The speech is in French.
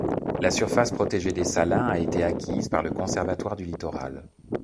La surface protégée des salins a été acquise par le conservatoire du littoral.